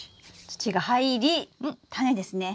土が入りタネですね！